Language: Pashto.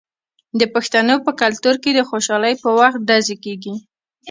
د پښتنو په کلتور کې د خوشحالۍ په وخت ډزې کیږي.